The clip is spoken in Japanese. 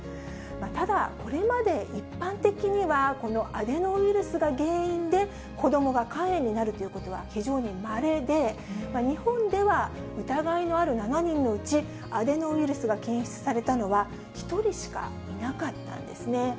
ただ、これまで一般的には、このアデノウイルスが原因で、子どもが肝炎になるということは非常にまれで、日本では疑いのある７人のうち、アデノウイルスが検出されたのは１人しかいなかったんですね。